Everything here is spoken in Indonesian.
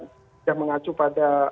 sudah mengacu pada